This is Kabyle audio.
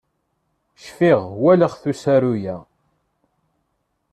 Cfiɣ walaɣ-t usaru-ya.